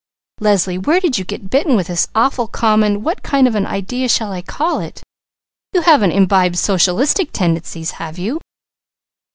"Leslie, where did you get bitten with this awful, common what kind of an idea shall I call it? You haven't imbibed socialistic tendencies have you?"